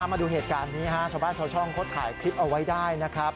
มาดูเหตุการณ์นี้ฮะชาวบ้านชาวช่องเขาถ่ายคลิปเอาไว้ได้นะครับ